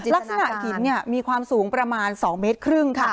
ลักษณะหินมีความสูงประมาณ๒เมตรครึ่งค่ะ